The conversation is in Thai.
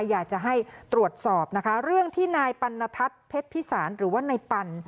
อยากจะให้ตรวจสอบนะคะเรื่องที่นายปัณทัศน์เพชรพิสารหรือว่านายปัน